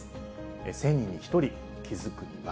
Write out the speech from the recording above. １０００人に１人、気付くには？